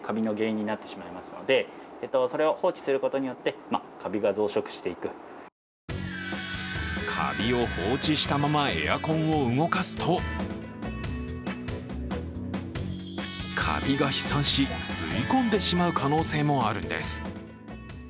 エアコンの内部を見てみるとカビを放置したままエアコンを動かすとカビが飛散し吸い込んでしまう可能性もあるんです。